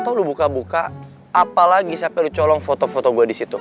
atau lu buka buka apa lagi siapa lu colong foto foto gue di situ